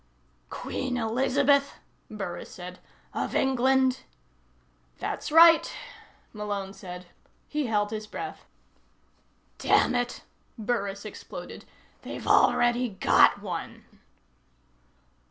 "Queen Elizabeth?" Burris said. "Of England?" "That's right," Malone said. He held his breath. "Damn it," Burris exploded, "they've already got one!"